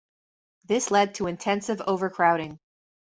This led to intensive overcrowding.